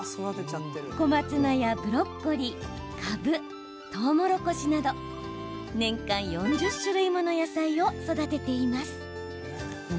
小松菜やブロッコリー、かぶとうもろこしなど年間４０種類もの野菜を育てています。